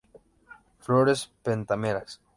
Flores pentámeras.